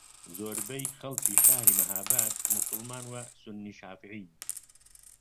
زۆربەی خەڵکی شاری مەھاباد موسڵمان و سوننی شافعیین